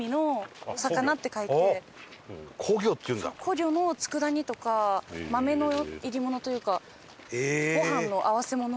湖魚の佃煮とか豆の炒りものというかご飯の合わせもの。